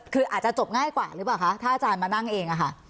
คืออาจจะจบง่ายกว่าหรือเปล่าคะถ้าอาจารย์มานั่งเองอะค่ะ